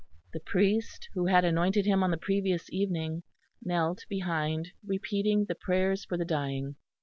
The priest, who had anointed him on the previous evening, knelt behind, repeating the prayers for the dying.